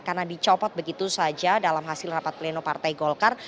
karena dicopot begitu saja dalam hasil rapat pleno partai golkar